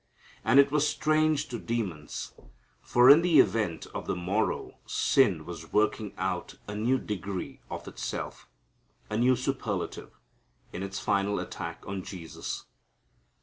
And it was strange to demons, for in the event of the morrow sin was working out a new degree of itself, a new superlative, in its final attack on Jesus.